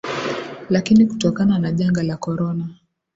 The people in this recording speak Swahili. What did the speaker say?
lakini kutokana na janga la Corona